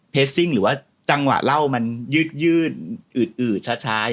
ซิ่งหรือว่าจังหวะเล่ามันยืดอืดช้าย